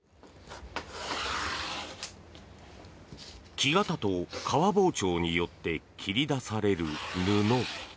木型と革包丁によって切り出される布。